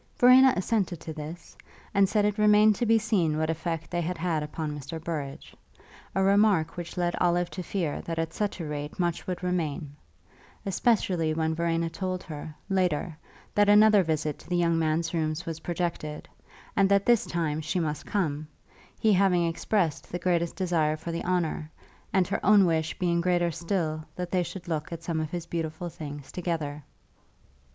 Verena assented to this, and said it remained to be seen what effect they had had upon Mr. Burrage a remark which led Olive to fear that at such a rate much would remain, especially when Verena told her, later, that another visit to the young man's rooms was projected, and that this time she must come, he having expressed the greatest desire for the honour, and her own wish being greater still that they should look at some of his beautiful things together.